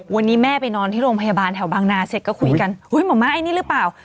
วันนี้แม่ไปนอนที่โรงพยาบาลแถวบางนาเสร็จก็คุยกันอุ้ยหมอม้าไอ้นี่หรือเปล่า